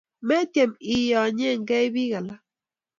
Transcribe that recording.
Metyem iyonyekey piik alak